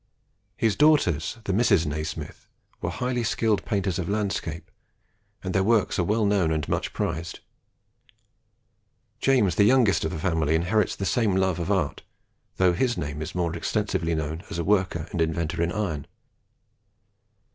His daughters, the Misses Nasmyth, were highly skilled painters of landscape, and their works are well known and much prized. James, the youngest of the family, inherits the same love of art, though his name is more extensively known as a worker and inventor in iron.